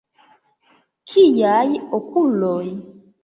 Kiaj okuloj!